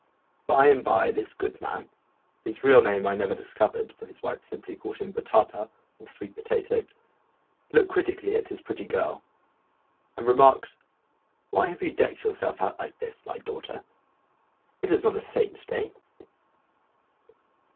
By and by this good man, whose real name I never discovered, for his wife simply called him Batata (sweet potato), looking critically at his pretty girl, remarked: "Why have you decked yourself out like this, my daughter it is not a Saint's day?"